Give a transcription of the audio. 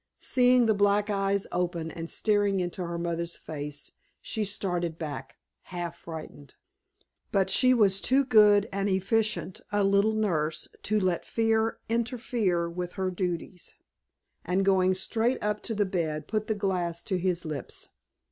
Seeing the black eyes open and staring into her mother's face she started back, half frightened. But she was too good and efficient a little nurse to let fear interfere with her duties, and going straight up to the bed put the glass to his lips.